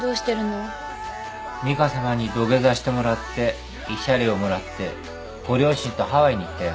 ミカさまに土下座してもらって慰謝料もらってご両親とハワイに行ったよ。